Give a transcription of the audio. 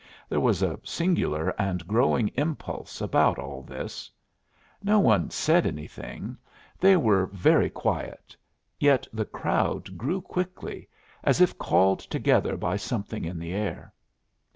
There was a singular and growing impulse about all this. No one said anything; they were very quiet; yet the crowd grew quickly, as if called together by something in the air.